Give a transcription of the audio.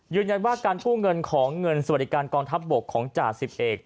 ยืนยันว่าการกู้เงินของเงินสวัสดิการกองทัพบกของจ่าสิบเอก